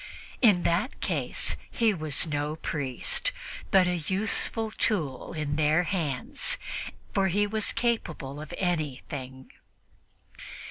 In that case he was no priest, but a useful tool in their hands, for he was capable of anything.